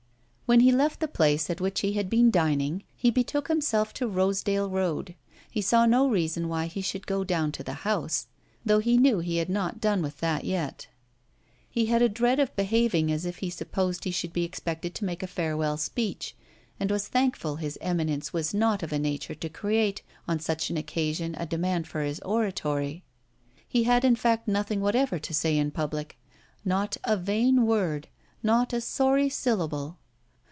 When he left the place at which he had been dining he betook himself to Rosedale Road: he saw no reason why he should go down to the House, though he knew he had not done with that yet. He had a dread of behaving as if he supposed he should be expected to make a farewell speech, and was thankful his eminence was not of a nature to create on such an occasion a demand for his oratory. He had in fact nothing whatever to say in public not a vain word, not a sorry syllable.